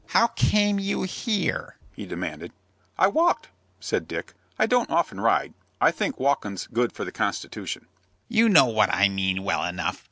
"How came you here?" he demanded. "I walked," said Dick. "I don't often ride. I think walkin's good for the constitution." "You know what I mean, well enough.